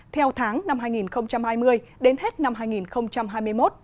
theo tháng năm hai nghìn hai mươi đến hết năm hai nghìn hai mươi một